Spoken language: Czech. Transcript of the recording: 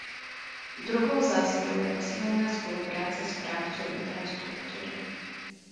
Druhou zásadou je posílená spolupráce správců infrastruktury.